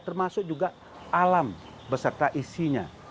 termasuk juga alam beserta isinya